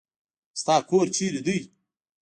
ستا کور چیرې دی؟